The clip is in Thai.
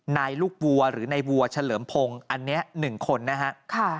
นายลูกวัวหรือนายวัวเฉลิมพงศ์อันนี้๑คนนะฮะ